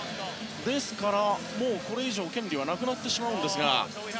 ですから、もうこれ以上権利はなくなってしまうんですが。